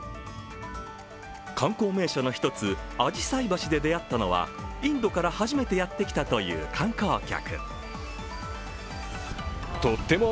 観光名所の１つ、あじさい橋で出会ったのはインドから初めてやってきたという観光客。